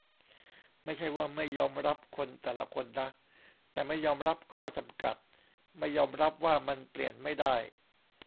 ไม่ใช่ว่าไม่ยอมรับคนแต่ละคนนะ แต่ไม่ยอมรับข้อจำกัด ไม่ยอมรับว่ามันเปลี่ยนไม่ได้